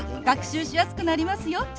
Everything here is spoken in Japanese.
学習しやすくなりますよ。